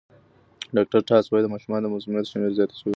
ډاکټر ټاس وايي د ماشومانو د مسمومیت شمېر زیات شوی.